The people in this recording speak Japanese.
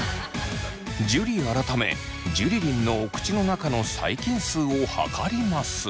樹改めジュリリンのお口の中の細菌数を測ります。